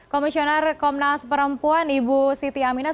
komisioner komnas perempuan ibu siti aminah